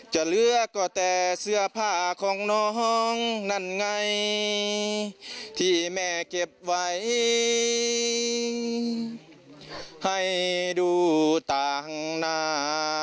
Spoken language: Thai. จะเหลือก็แต่เสื้อผ้าของน้องนั่นไงที่แม่เก็บไว้ให้ดูต่างหน้า